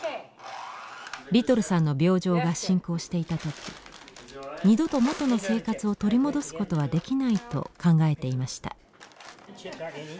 リトルさんの病状が進行していた時「二度と元の生活を取り戻すことはできない」と考えていました。